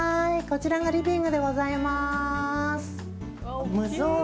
こちらがリビングでございます。